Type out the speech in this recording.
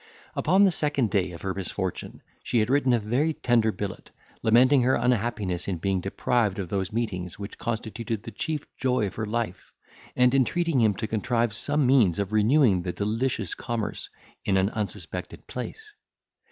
Upon the second day of her misfortune, she had written a very tender billet, lamenting her unhappiness in being deprived of those meetings which constituted the chief joy of her life, and entreating him to contrive some means of renewing the delicious commerce in an unsuspected place.